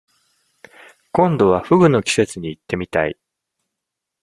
今度は、河豚の季節に行ってみたい。